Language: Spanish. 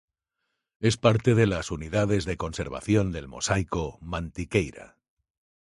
Es parte de las unidades de conservación del Mosaico Mantiqueira.